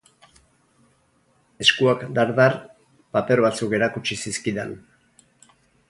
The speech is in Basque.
Eskuak dar-dar, paper batzuk erakutsi zizkidan.